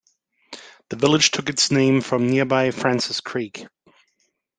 The village took its name from nearby Francis Creek.